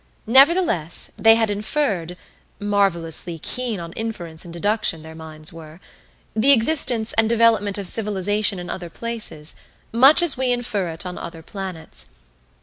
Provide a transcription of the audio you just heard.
Nevertheless, they had inferred (marvelously keen on inference and deduction their minds were!) the existence and development of civilization in other places, much as we infer it on other planets.